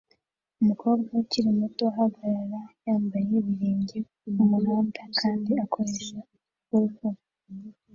Umukobwa ukiri muto ahagarara yambaye ibirenge kumuhanda kandi akoresha hula-hoop